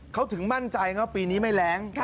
เขาถึงมั่นใจว่าปีนี้ไม่แรง